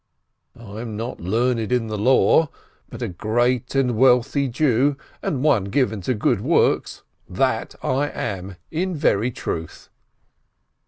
I am not learned in the Law, but a great and wealthy Jew, and one given to good works, that am I in very truth